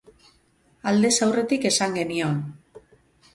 Aldez aurretik esan genion.